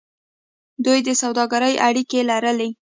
دوی د سوداګرۍ اړیکې لرلې.